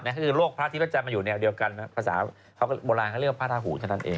ก็คือโลกพระธิบัตรแจมมีแนวเดียวกันเพราะโบราณเขาเรียกว่าพระราถหูพระสันนั้นเอง